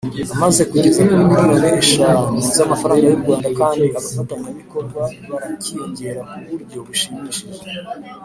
Amaze kugeza kuri miliyoni eshanu z’amafaranga y’U Rwanda kandi abafatanyabikorwa barakiyongera ku buryo bushimishije.